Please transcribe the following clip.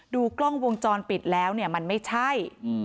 ดูกล้องวงจรปิดแล้วเนี่ยมันไม่ใช่